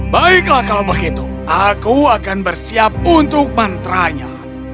baiklah kalau begitu aku akan bersiap untuk mantra nya